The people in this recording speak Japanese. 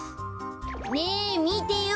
ねえみてよ